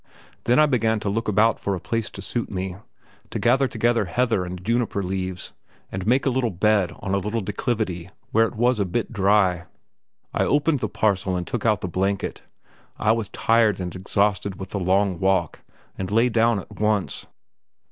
Then I began to look about for a place to suit me, to gather together heather and juniper leaves, and make up a bed on a little declivity where it was a bit dry. I opened the parcel and took out the blanket; I was tired and exhausted with the long walk, and lay down at once.